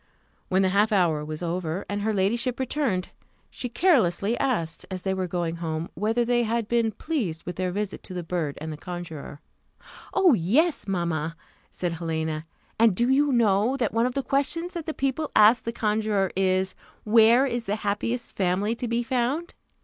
When the half hour was over, and her ladyship returned, she carelessly asked, as they were going home, whether they had been pleased with their visit to the bird and the conjuror. "Oh, yes, mamma!" said Helena: "and do you know, that one of the questions that the people ask the conjuror is, _Where is the happiest family to be found?